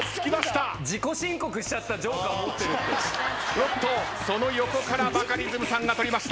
おっとその横からバカリズムさんが取りました。